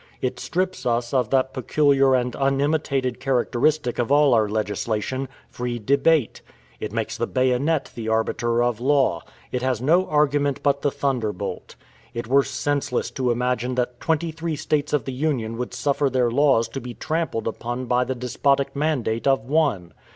It strips us of that peculiar and unimitated characteristic of all our legislation free debate; it makes the bayonet the arbiter of law; it has no argument but the thunderbolt. It were senseless to imagine that twenty three States of the Union would suffer their laws to be trampled upon by the despotic mandate of one.